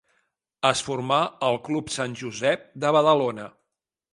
Es formà al Club Sant Josep de Badalona.